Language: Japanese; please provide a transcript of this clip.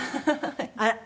あら！